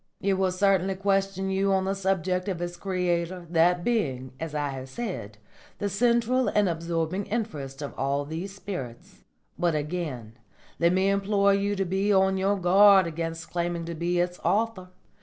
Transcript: It will certainly question you on the subject of its creator, that being, as I have said, the central and absorbing interest of all these spirits. But again let me implore you to be on your guard against claiming to be its author.